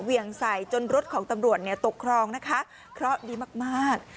เวียงใส่จนรถของตำรวจเนี่ยตกครองนะคะเคราะห์ดีมากมาก